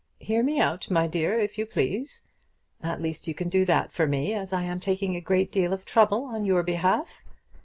Hear me out, my dear, if you please. At least you can do that for me, as I am taking a great deal of trouble on your behalf.